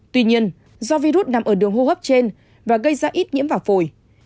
tuy nhiên do virus nằm ở đường hô hấp trên và gây ra ít nhiễm vào phổi